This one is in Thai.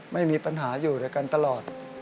ไม่มีปัญหาอยู่ด้วยกันตลอด